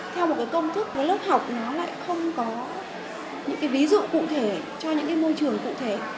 theo một công thức lớp học nó lại không có những ví dụ cụ thể cho những môi trường cụ thể